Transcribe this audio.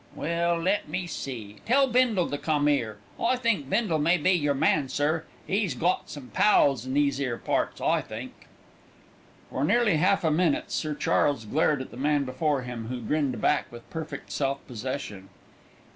Well, let me see. Tell Bindle to come 'ere. I think Bindle may be your man, sir; 'e's got some pals in these 'ere parts, I think." For nearly half a minute Sir Charles glared at the man before him, who grinned back with perfect self possession.